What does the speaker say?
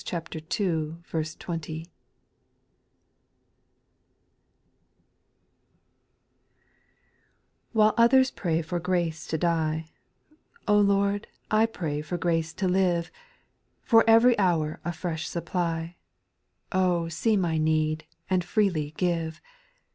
' 1 "IT7HILE others pray for grace to die, If O Lord, I pray for grace to live. For every hour a fresh supply, see my need and freely give.